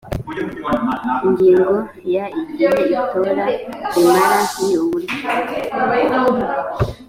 ingingo ya igihe itora rimara n uburyo